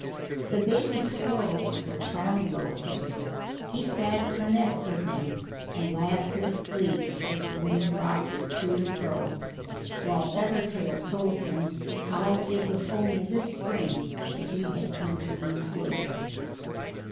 The baby Squirrels were charming little things; he sat in the nest with them, and laughed with glee as the Wind rocked it to and fro, while Feathertail told him how it was only this spring that he had come to these woods.